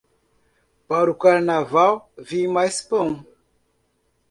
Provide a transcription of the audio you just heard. Para o Carnaval, vi mais pão.